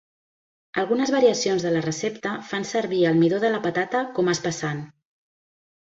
Algunes variacions de la recepta fan servir el midó de la patata com a espessant.